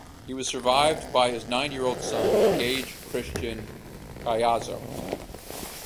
He was survived by his nine-year-old son, Gage Christian Caiazzo.